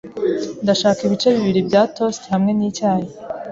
Ndashaka ibice bibiri bya toast hamwe nicyayi.